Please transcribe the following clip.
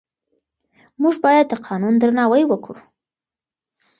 موږ باید د قانون درناوی وکړو.